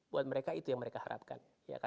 buat mereka itu yang mereka harapkan